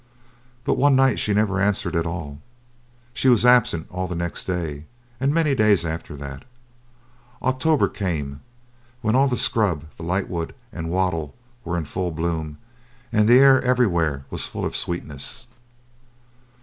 But one night she never answered at all. She was absent all next day, and many a day after that. October came, when all the scrub, the lightwood, and wattle were in full bloom, and the air everywhere was full of sweetness.